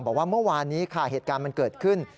บอกว่าเมื่อวานนี้ค่ะเหตุการณ์มันเกิดขึ้น